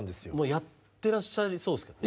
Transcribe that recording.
やってらっしゃりそうですけどね。